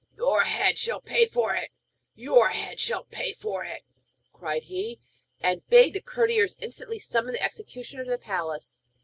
'Your head shall pay for it! Your head shall pay for it!' cried he; and bade the courtiers instantly summon the executioner to the palace.